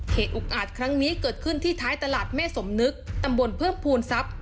อุกอาจครั้งนี้เกิดขึ้นที่ท้ายตลาดแม่สมนึกตำบลเพิ่มภูมิทรัพย์